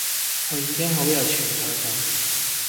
佢已經好有存在感